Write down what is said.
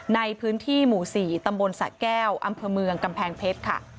ในพื้นที่หมู่๔ตำบลสะแก้วอำเภอเมืองกำแพงเพชรค่ะ